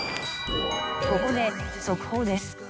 ここで速報です。